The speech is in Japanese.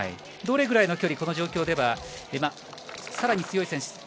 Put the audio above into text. どれぐらいの距離この状況では更に強い選手